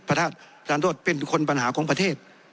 ประทานทรวจเป็นคนปัญหาของประเทศ